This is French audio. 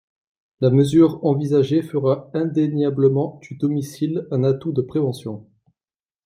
La mesure envisagée fera indéniablement du domicile un atout de prévention.